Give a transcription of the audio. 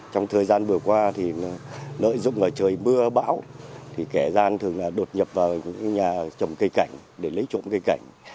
trong thời gian vừa qua thì nỗi rụng ở trời mưa bão thì kẻ gian thường đột nhập vào nhà trồng cây cảnh để lấy trộm cây cảnh